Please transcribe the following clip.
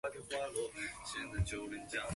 此站近西武秩父站有。